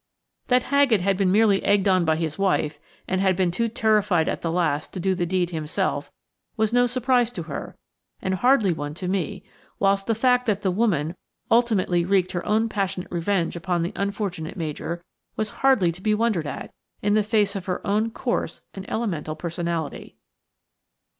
That Haggett had been merely egged on by his wife, and had been too terrified at the last to do the deed himself was no surprise to her, and hardly one to me, whilst the fact that the woman ultimately wreaked her own passionate revenge upon the unfortunate Major was hardly to be wondered at, in the face of her own coarse and elemental personality.